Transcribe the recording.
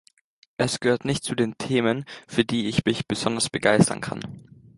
Es gehört nicht zu den Themen, für die ich mich besonders begeistern kann.